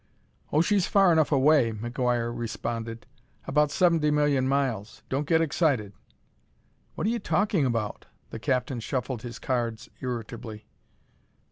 "Oh, she's far enough away," McGuire responded; "about seventy million miles. Don't get excited." "What are you talking about?" The captain shuffled his cards irritably.